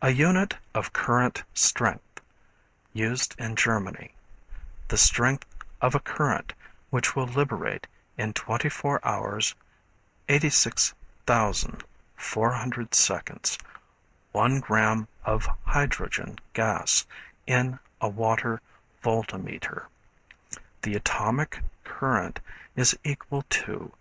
A unit of current strength used in Germany; the strength of a current which will liberate in 24 hours (86,400 seconds) one gram of hydrogen gas, in a water voltameter. The atomic current is equal to 1.